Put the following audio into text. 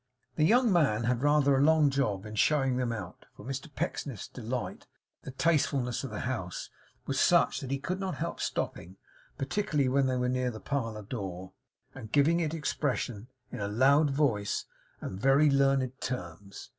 The young man had rather a long job in showing them out; for Mr Pecksniff's delight in the tastefulness of the house was such that he could not help often stopping (particularly when they were near the parlour door) and giving it expression, in a loud voice and very learned terms.